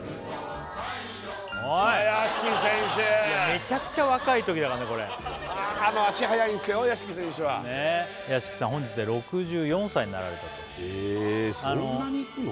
めちゃくちゃ若いときだからね足速いんですよ屋鋪選手は屋鋪さん本日で６４歳になられたとえそんなにいくの？